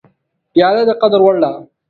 پیاله د قدر وړ ده.